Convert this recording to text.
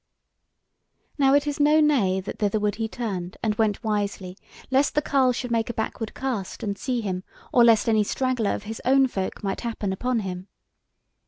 Now it is no nay that thitherward he turned, and went wisely, lest the carle should make a backward cast, and see him, or lest any straggler of his own folk might happen upon him.